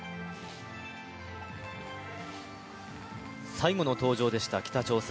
最後の登場でした、北朝鮮。